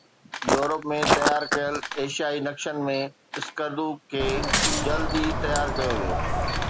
Europe ۾ تيار ڪيل ايشيائي نقشن ۾ اسڪردو کي جلدي تيار ڪيو ويو